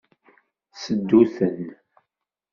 Seddu-ten.